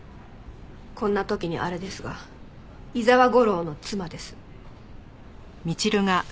こんな時にあれですが伊沢吾良の妻です。